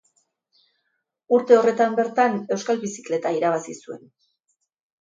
Urte horretan bertan Euskal Bizikleta irabazi zuen.